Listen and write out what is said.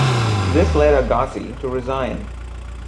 This led Agassi to resign.